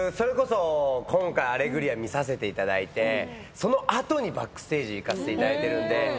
今回『アレグリア』見させていただいてその後にバックステージに行かせていただいてるんで。